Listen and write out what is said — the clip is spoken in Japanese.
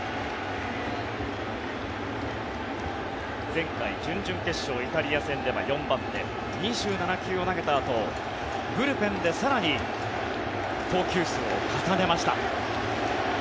前回、準々決勝、イタリア戦では４番手２７球を投げたあと、ブルペンで更に投球数を重ねました。